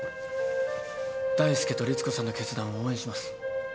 大介とリツコさんの決断を応援します。